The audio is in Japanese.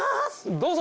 どうぞ。